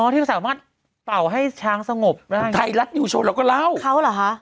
ที่สามารถเป่าให้ช้างสงบได้ไทยรัฐนิวโชว์เราก็เล่าเขาเหรอคะ